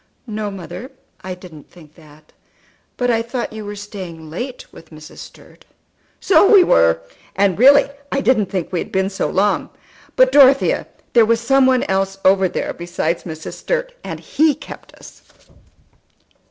"No, mother, I didn't think that. But I thought you were staying late with Mrs. Sturt." "So we were, and really I didn't think we had been so long. But, Dorothea, there was some one else over there besides Mrs. Sturt, and he kept us."